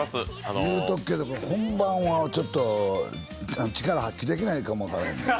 言うとくけども、本番はちょっと力発揮できないかも分からん。